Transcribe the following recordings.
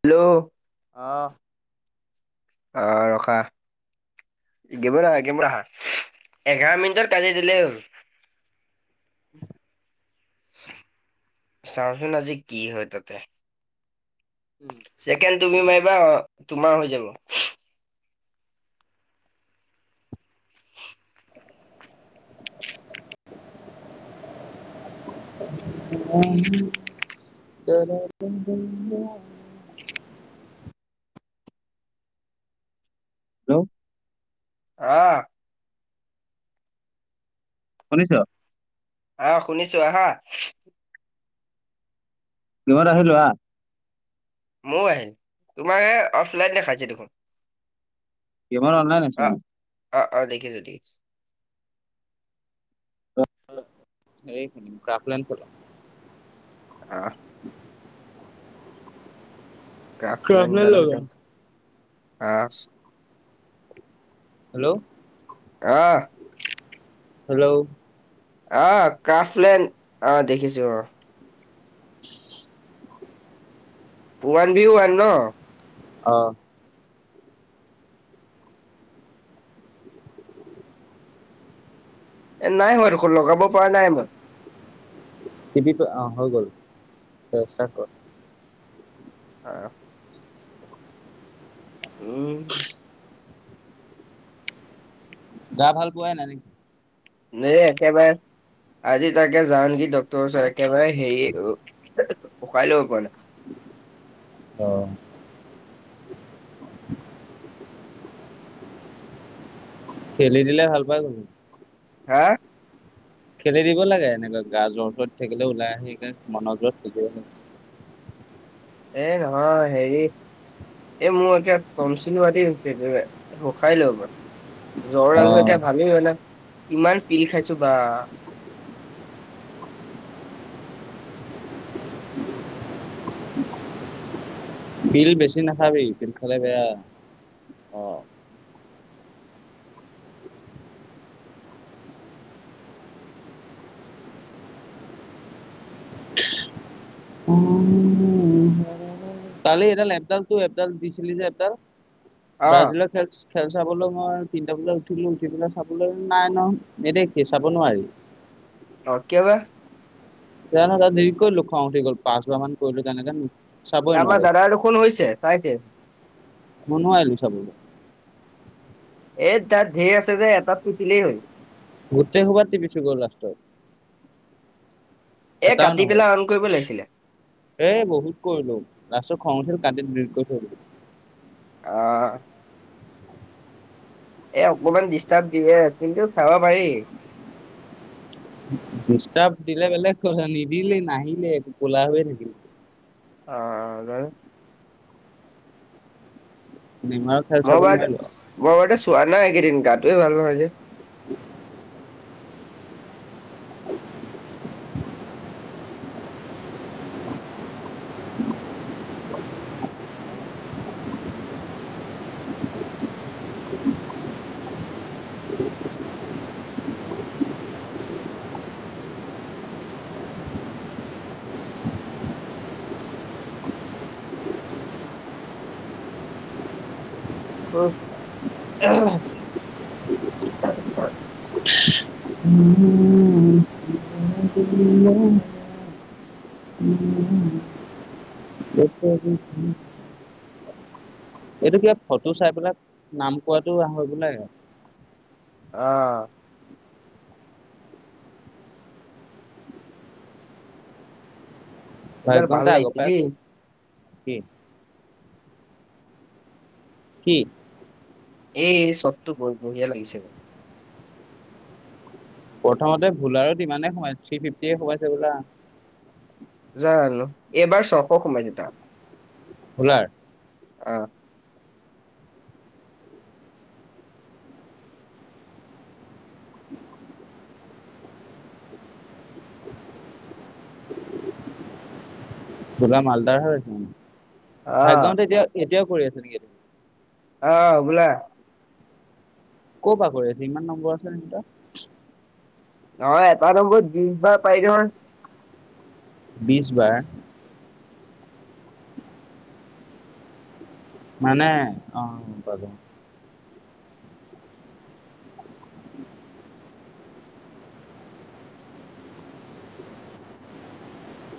Hello. অঁ। অ', ৰখা গেমত আহা, গেমত আহা। এঘাৰ মিনিটত কাটি দিলে হ'ল। [inaudible] চাওঁচোন, আজি কি হয় তাতে। [inaudible] চছেকেণ্ড তুমি মাৰিবা, তোমাৰ হৈ যাব। [unintelligible] হেল্ল'। অ'। শুনিছ। অ', শুনিছোঁ আহা। গেমট আহিলো আহ। ময়ো আহিলোঁ [inaudible] তোমাৰে অফলাইন দেখাইছে দেখোন? গেমট অনলাইন [unintelligible] অ [unintelligible] অ-অ! দেখিছোঁ-দেখিছোঁ। [unintelligible] খেলিম [unintelligible] এই গ্ৰাফ লাইন খেলো। অ [inaudible] গ্ৰাফ [inaudible] ক্ৰাফলেন লগা [unintelligible] হেল্ল'? [inaudible] আহ [unintelligible] [unintelligible] হেল্ল'! অ! কাফলেণ্ অ! দেখিছো অ [unintelligible] ওৱান ভিও ওৱান ন? [unintelligible] অ! [inaudible] এ নাই হোৱা দেখোন লগাব পৰা নাই মই। [unintelligible] [inaudible] অঁ! হৈ গল ত‌ই ইষ্টাট কৰ। হয় [inaudible] উম [unintelligible] গা ভাল পোৱাই নাই নেকি? [inaudible] এ একবাৰে [unintelligible] আজি তাকে যাওঁ নেকি ডাক্তৰৰ ওচৰত। একেবাৰে হেৰি, উশাহেই ল'ব পৰা নাই। [unintelligible] অঁ! [unintelligible] খেলি দিলে ভাল পাই যাবি। [inaudible] হা? [unintelligible] খেলি দিব লাগে এনেকুৱা, গা জ্বৰ [unintelligible] থাকিলে ওলাই আহি, সেই মনৰ জোৰত। [unintelligible] এ নহয় হেৰি [unintelligible] এই মোৰ এতিয়া টনচিল হোৱা দি হৈছে একেবাৰে উশাহ‌ই ল'ব পৰা নাই। [inaudible] জ্বৰ অ [inaudible] এতিয়া ভালেই হয় না ইমান পিল খাইছো বা [inaudible] পিল বেছি নাখাবি পিল খালে বেয়া। [inaudible] অ! [inaudible] অ [inaudible] কালি এডাল এপডাল [unintelligible] একৃপডাল দিছিলি যে এপডাল অ ব্ৰাজিলৰ খেল খেল চাবলৈ মই তিনটা বজাত উঠিলো উঠি পেলা চাবলৈ নাই ন নেদেখি চাব নোৱাৰি। [unintelligible] অ! কিয় বা? [inaudible] জানো [inaudible] ডিলিট কৰি দিলোঁ খং উঠি গ'ল পাঁচ মান কৰিলো তেনেকে। চাবই আমাৰ নোৱাৰি দাদাৰ দেখোন হৈছে চাইছে। [inaudible] মই নোৱাৰিলো চাবলে। [unintelligible] এ তাত ধেৰ আছে যে এটাত তিপিলেই হ'ল। [inaudible] গোটেই সোপা টিপি থৈ গ'ল লাষ্টত। [unintelligible] এ এটাও কাটি নহ'ল। পেলাই [inaudible] অন কৰিব লাগিছিলে এ বহুত কৰিলো। লাষ্টত খং উঠিল কাটি ডিলিট কৰি থৈ দিলোঁ। [inaudible] অ [unintelligible] এ অকমান ডিষ্টাৰ্ব দিয়ে কিন্তু চাব পাৰি। [inaudible] ডিষ্টাব দিলে বেলেগ কথা নিদিলেই নাহিলে একো কোলা হৈ থাকিল। [inaudible] অঁ-অঁ [inaudible] [inaudible] ডিমাক মই বাৰ মই বাৰু চোৱা নাই এইকেইদিন গাটোৱে ভাল নহয় যে। [inaudible] [unintelligible] [unintelligible] [unintelligible] উম। [unintelligible] [unintelligible] এইটো কিবা ফটো চাই পেলাক নাম কোৱাটো হয় বোলে। অ [unintelligible] এইডাল ভাল আগৰ লাগিছে পাই দেই, কওঁ। কি? কি? এই সতটো ব-বঢিয়া লাগিছে মানে প্ৰথমতে ভোলাৰো ইমানে সোমাই থ্ৰী ফিফটিয়ে সোমাইছে ভোলা। জানো এইবাৰ [unintelligible] ভোলাৰ? অ। বোলা মালদাৰ হৈছে মানে। অ', ভাগ্যহতে এতিয়া এতিয়াও কৰি আছে নেকি এইটো? অ বোলা! ক'ৰ পৰা কৰি আছে? ইমান নম্বৰ আছেনে তাৰ? নহয়, এটা নম্বৰ বিজ বাৰ পায় নহয়। বিছ বাৰ? মানে অ উপাৰ্জন [unintelligible]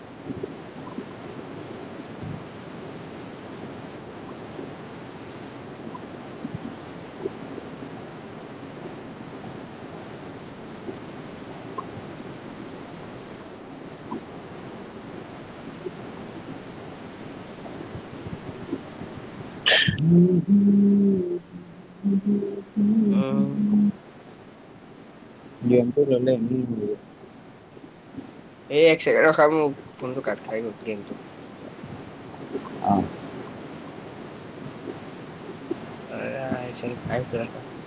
[unintelligible] [unintelligible] উম [unintelligible] এই এক ছেকেণ্ড ৰখাব ফোনটো কাট খাই গ'ল গেমটো। অ [unintelligible]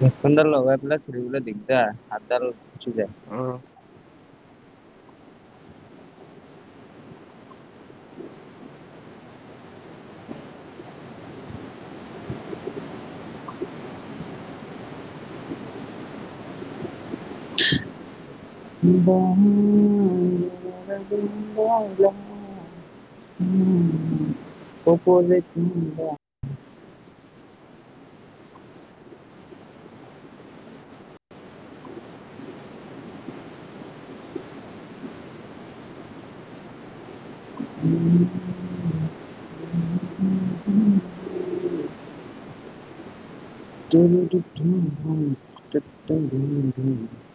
হেডফোনডাল লগাই পেলায় খুলিবলৈ দিগদাৰ। হাত দাল চুই যায়। অ'। [unintelligible] উম [unintelligible] [unintelligible] [unintelligible]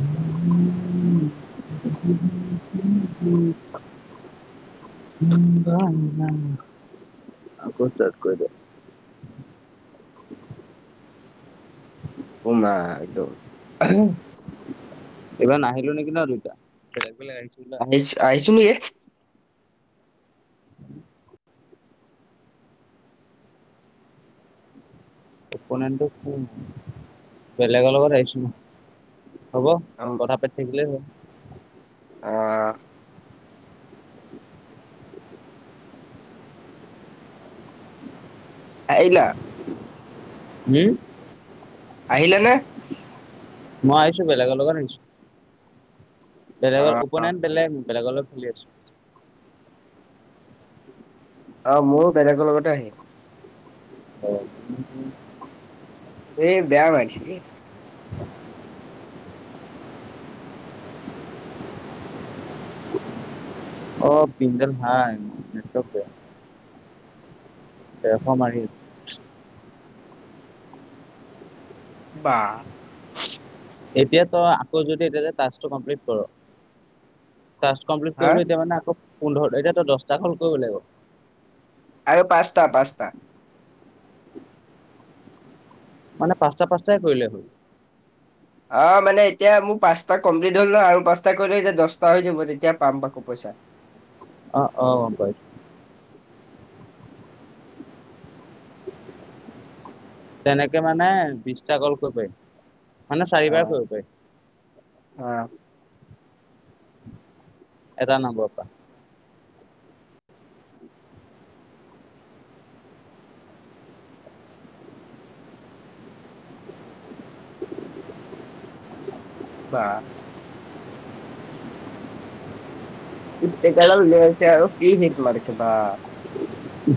আকৌ ক'ত চেট কৰি দিয়া? [unintelligible] এইবাৰ নাহিলো নেকি ন দুটা। বেলেগ বেলেগ আহিছিলো ইচ আহিছো [unintelligible] বেলেগৰ লগত আহিছোঁ। হ'ব। অ', কথা পাতি থাকিলে হ'ল। অ আহিলা? হুম? আহিলে নে? মই আহিছোঁ বেলেগৰ লগত আহিছোঁ বেলেগৰ অ', অ'পনেন বেলেগ। বেলেগৰ লগত খেলি আছোঁ। অ', মোৰ বেলেগৰ লগতে আহিম। [unintelligible] এই বেয়া মাৰিছে এই। অ', পিন ডাল ভাল। নেটৱৰ্ক বেয়া। তেৰশ মাৰিল। বা। এতিয়া তই আকৌ যদি এতিয়া টাস্কটো কমপ্লিট কৰ টাস্ক কমপ্লিট হা কৰিবলৈ এতিয়া মানে আকৌ পোন্ধৰ এতিয়া তই দহটা ক'ল কৰিব লাগিব। আৰু পাঁচটা, পাঁচটা। মানে পাঁচটা পাঁচটাই কৰিলে হ'ল। অঁ', মানে এতিয়া মোৰ পাঁচটা কমপ্লিট হ'ল ন! আৰু পাঁচটা কৰিলে এতিয়া দচটা হৈ যাব। তেতিয়া পাম আকৌ পইচা। অঁ', অহ' পাইছোঁ। তেনেকে মানে বিশটা কল কৰিব পাৰি। মানে চাৰিবাৰ কৰিব পাৰি। অঁ'। এটা নম্বৰ পৰা। বা। ফি ফিটাডাল ওলিয়াই লৈছে আৰু। কি হিট মাৰিছে বা।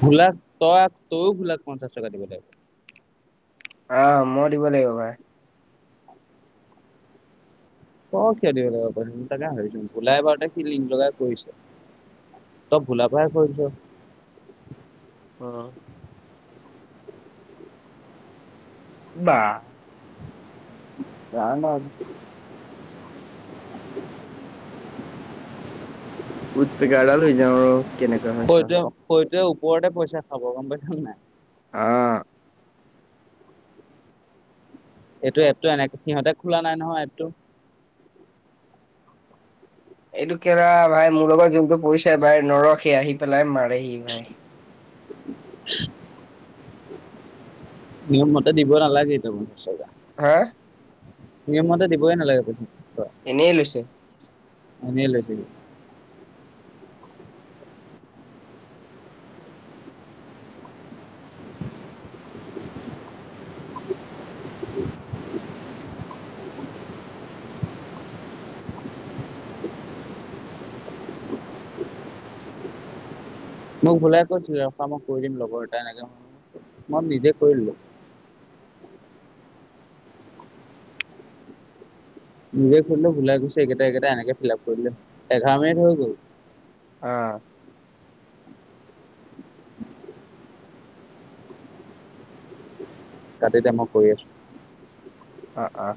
ভোলা তই, তইও ভোলাক পঞ্চাশ টকা দিব লাগিব। অঁ' মই দিব লাগিব পাই। ক খেলেলিব যাব পাৰিম তাকে ভাবিছোঁ ভোলাইবাৰতা কি লিং লগাই কৈছে। তই ভোলা পাই কৰিছ। অঁ'। বা। যাম আৰু। উত পিকাডাল লৈ যাওঁ ৰ। হয়তোৱে, হয়তোৱে ওপৰতে পইচা খাব গম পাইছা নে নাই। অ'। এইটো এপটো এনেকে, সিহঁতে খোলা নাই নহয় এপটো। এইটো কেলা ভাই মোৰ লগত যোনটো পৰিছে ভাই, নৰখে আহি পেলাই মাৰেহি ভাই। নিয়ম মতে, দিব নালাগে এইটো আচলতে। হা! নিয়ম মতে দিবইে নালাগে তুমিতো। এনেই লৈছে। এনে লৈছিলি। মোক ভোলাই কৈছিলে ৰখা মই কৰি দিম লগৰ এটা এনেকে মই নিজে কৰি ললোঁ। নিজে খুলো ভোলাই কৈছে একেইটা এইকেটা এনেকে ফিল আপ কৰিলো এঘাৰ মিনিট হৈ গ'ল। অঁ' তাতে এতিয়া মই কৰি আছো। অ অ।